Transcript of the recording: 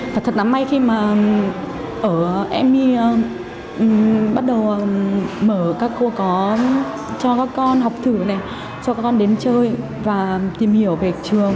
thật lắm may khi mà ở em bắt đầu mở các cô có cho các con học thử này cho các con đến chơi và tìm hiểu về trường